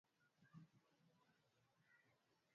Ni jambo la msingi kuendeleza wanafunzi na walimu